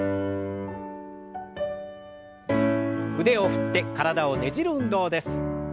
腕を振って体をねじる運動です。